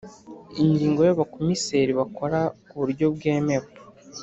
Ingingo y Abakomiseri bakora ku buryo bwemewe